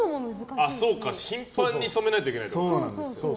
そうか、頻繁に染めないといけないってこと？